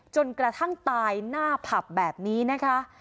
จนกระทั่งตายหน้าผับแบบนี้นะคะ